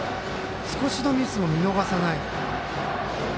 少しのミスも見逃さない。